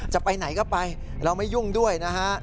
จะไปไหนก็ไปเราไม่ยุ่งด้วยนะฮะ